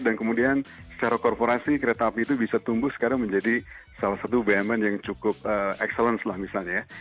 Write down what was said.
dan kemudian secara korporasi kereta api itu bisa tumbuh sekarang menjadi salah satu bumn yang cukup excellence lah misalnya ya